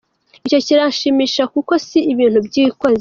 Icyo kiranshimisha kuko si ibintu byikoze”.